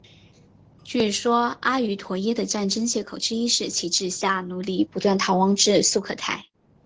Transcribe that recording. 据说阿瑜陀耶的战争藉口之一是其治下奴隶不断逃亡至素可泰。